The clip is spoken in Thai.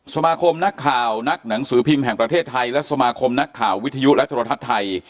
สมาคมนักข่าวนักหนังสือพิมพ์แห่งประเทศไทยและสมาคมนักข่าววิทยุและโทรทัศน์ไทย